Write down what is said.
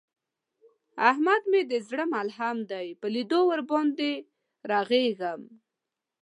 احمد مې د زړه ملحم دی، په لیدو باندې یې رغېږم.